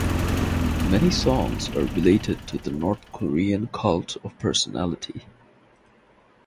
Many songs are related to the North Korean cult of personality.